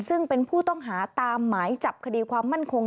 ซึ่งเป็นผู้ต้องหาตามหมายจับคดีความมั่นคง